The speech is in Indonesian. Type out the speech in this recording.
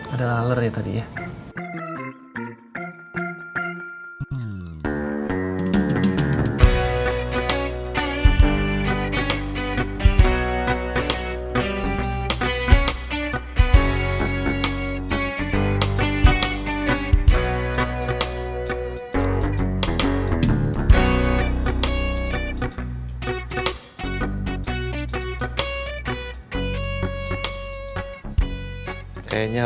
ada laler ya tadi ya